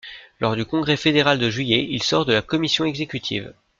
Lors du congrès fédéral de juillet, il sort de la commission exécutive.